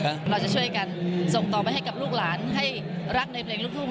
เราจะช่วยกันส่งต่อไปให้กับลูกหลานให้รักในเพลงลูกทุ่ง